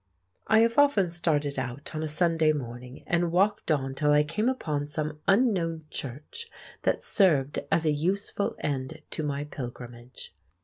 I have often started out on a Sunday morning, and walked on till I came upon some unknown church that served as a useful end to my pilgrimage.